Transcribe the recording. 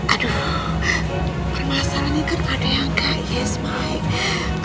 aduh permasalahan ini kan ada yang gak yes mike